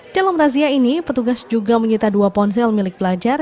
dalam razia ini petugas juga menyita dua ponsel milik pelajar